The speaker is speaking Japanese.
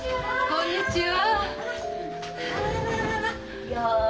こんにちは！